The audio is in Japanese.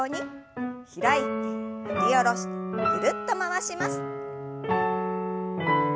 開いて振り下ろしてぐるっと回します。